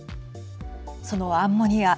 そのアンモニア。